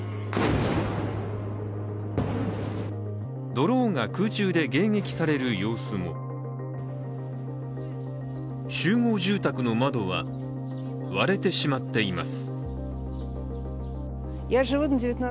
ドローンが空中で迎撃される様子も集合住宅の窓は割れてしまっています。